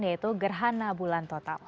yaitu gerhana bulan total